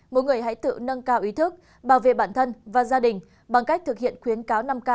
mỗi người hãy tự nâng cao ý thức bảo vệ bản thân và gia đình bằng cách thực hiện khuyến cáo năm k